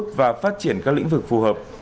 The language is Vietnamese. đà nẵng sẽ phát triển các lĩnh vực phù hợp